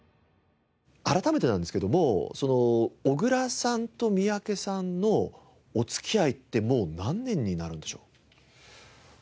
改めてなんですけども小倉さんと三宅さんのお付き合いってもう何年になるんでしょう？